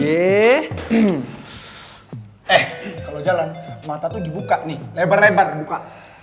eh kalau jalan mata tuh dibuka nih lebar lebar buka